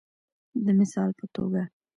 د مثال په توګه